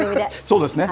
そうですね。